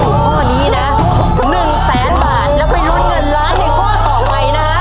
ข้อนี้นะ๑แสนบาทแล้วไปลุ้นเงินล้านในข้อต่อไปนะฮะ